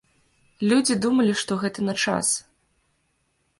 Людзі думалі, што гэта на час.